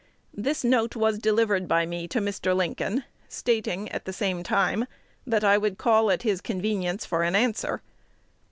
This note was delivered by me to Mr. Lincoln, stating, at the same time, that I would call at his convenience for an answer.